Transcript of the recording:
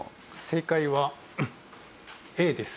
正解はＡです。